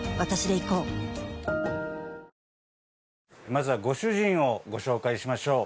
まずはご主人をご紹介しましょう。